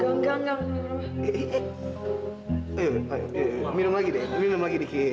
minum lagi deh minum lagi dikit ya